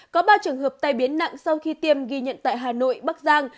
có ba trường hợp tai biến nặng sau khi tiêm ghi nhận tại hà nội bắc giang